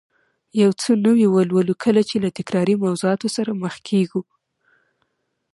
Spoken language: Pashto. یو څه نوي ولولو، کله چې له تکراري موضوعاتو سره مخ کېږو